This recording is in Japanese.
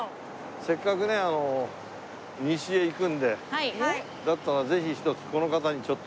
せっかくね西へ行くんでだったらぜひ一つこの方にちょっと。